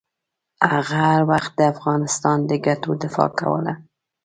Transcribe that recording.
هغه هر وخت د افغانستان د ګټو دفاع کوله.